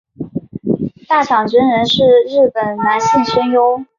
大场真人是日本男性声优。